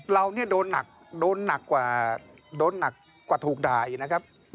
เราโดนหนักกว่าถูกด่ายนะครับ